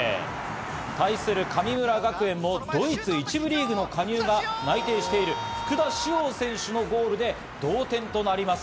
対する神村学園もドイツ１部リーグの加入が内定している福田師王選手のゴールで同点となります。